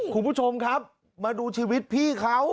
คุณผู้ชมครับมาดูชีวิตพี่เขา